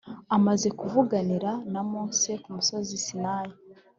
Amaze kuvuganira na Mose ku musozi Sinayi